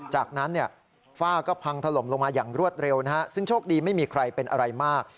จากนั้นฝ้าก็พังถล่มลงมาอย่างรวดเร็วนะฮะซึ่งโชคดีไม่มีใครเป็นอะไรมาก